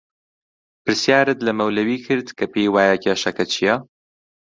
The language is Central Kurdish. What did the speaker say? پرسیارت لە مەولەوی کرد کە پێی وایە کێشەکە چییە؟